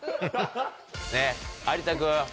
ねっ有田君。